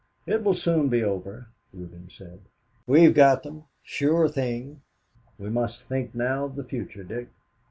"It will soon be over," Reuben said. "We've got them, sure thing. We must think now of the future, Dick.